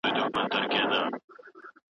خوب مې ليدلی خدای دې خير کړي